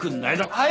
はい。